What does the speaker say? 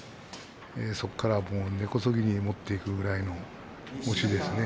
そこから根こそぎ持っていくそういう押しですね